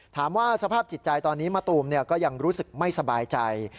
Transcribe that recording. สภาพจิตใจตอนนี้มะตูมก็ยังรู้สึกไม่สบายใจ